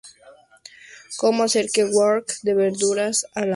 Como hacer un Wok de verduras a la naranja